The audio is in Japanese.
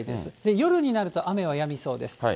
夜になると、雨はやみそうです。